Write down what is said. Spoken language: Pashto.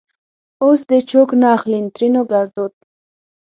اوس دې چوک نه اخليں؛ ترينو ګړدود